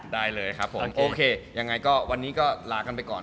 ได้เลยครับผมโอเคยังไงก็วันนี้ก็ลากันไปก่อน